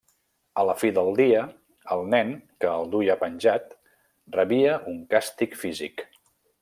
A la fi del dia el nen que el duia penjat rebia un càstig físic.